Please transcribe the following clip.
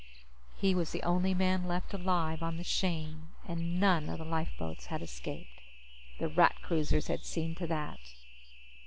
He was the only man left alive on the Shane, and none of the lifeboats had escaped. The Rat cruisers had seen to that.